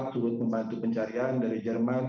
turut membantu pencarian dari jerman